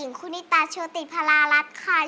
อิ่งคุณิตทาชวติพลารักษณ์ครับ